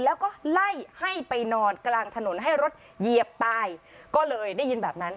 แล้วก็ไล่ให้ไปนอนกลางถนนให้รถเหยียบตายก็เลยได้ยินแบบนั้น